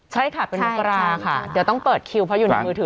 ใช่ค่ะเป็นมกราค่ะเดี๋ยวต้องเปิดคิวเพราะอยู่ในมือถือ